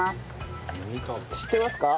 知ってますか？